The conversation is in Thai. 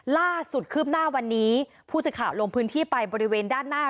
คืบหน้าวันนี้ผู้สื่อข่าวลงพื้นที่ไปบริเวณด้านหน้า